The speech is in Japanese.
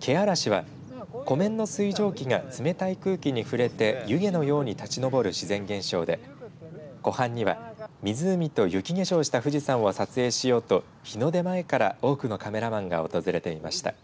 気嵐は湖面の水蒸気が冷たい空気に触れて湯気のように立ち上る自然現象で後半には、湖と雪化粧した富士山を撮影しようと日の出前から多くのカメラマンが訪れていました。